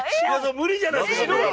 無理じゃないですか僕ら。